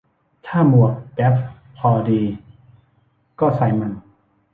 ถ้าหมวกแก๊ปพอดี ก็ใส่มัน